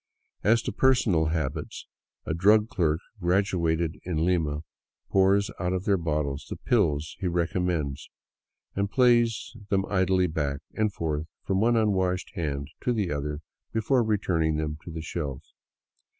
As to personal habits: a drug clerk graduated in Lima pours out of their bottles the pills he recom mends, and plays them idly back and forth from one unwashed hand to the other before returning them to the shelf.